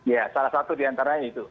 ya salah satu diantaranya itu